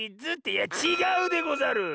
いやちがうでござる！